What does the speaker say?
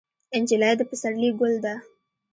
نجلۍ د پسرلي ګل ده.